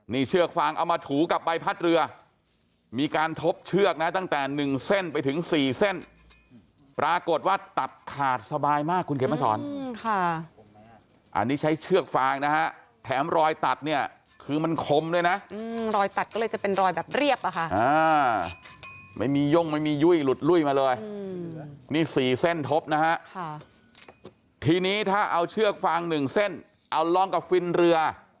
นี่เชือกฟางเอามาถูกับใบพัดเรือมีการทบเชือกนะตั้งแต่๑เส้นไปถึง๔เส้นปรากฏว่าตัดขาดสบายมากคุณเขียนมาสอนค่ะอันนี้ใช้เชือกฟางนะฮะแถมรอยตัดเนี่ยคือมันคมด้วยนะรอยตัดก็เลยจะเป็นรอยแบบเรียบอะค่ะไม่มีย่งไม่มียุ่ยหลุดลุ้ยมาเลยนี่๔เส้นทบนะฮะทีนี้ถ้าเอาเชือกฟางหนึ่งเส้นเอาลองกับฟินเรือ